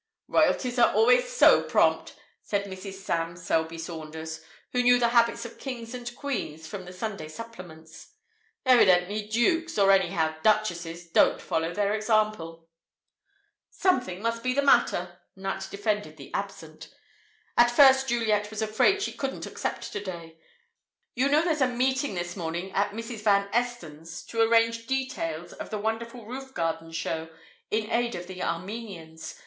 "Royalties are always so prompt," said Mrs. Sam Selby Saunders, who knew the habits of kings and queens from the Sunday Supplements. "Evidently dukes or anyhow duchesses don't follow their example." "Something must be the matter," Nat defended the absent. "At first Juliet was afraid she couldn't accept to day. You know, there's a meeting this morning at Mrs. Van Esten's, to arrange details of the wonderful roof garden show in aid of the Armenians.